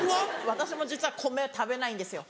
私も実は米食べないんですよ。